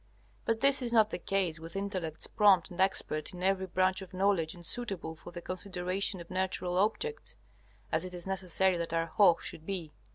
But this is not the case with intellects prompt and expert in every branch of knowledge and suitable for the consideration of natural objects, as it is necessary that our Hoh should be.